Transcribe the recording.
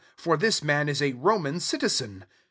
for this man is a Roman citizen.